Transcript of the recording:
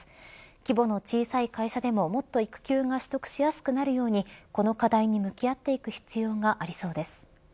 規模の小さい会社でももっと育休が取得しやすくなるようにこの課題に向き合っていく必要がありそうです。